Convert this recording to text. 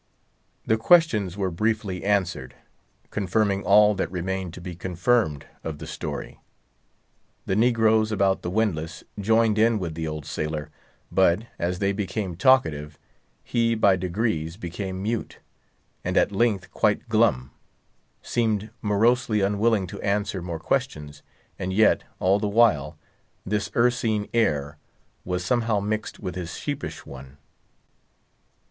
The questions were briefly answered, confirming all that remained to be confirmed of the story. The negroes about the windlass joined in with the old sailor; but, as they became talkative, he by degrees became mute, and at length quite glum, seemed morosely unwilling to answer more questions, and yet, all the while, this ursine air was somehow mixed with his sheepish one.